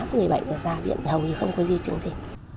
một mươi tám người bệnh ra viện hầu như không có di chứng gì